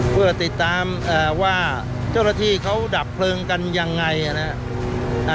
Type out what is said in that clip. เพื่อติดตามว่าเจ้าหน้าที่เขาดับเพลิงกันยังไงนะครับ